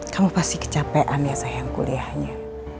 kamu pasti kecapean ya sayang kuliahnya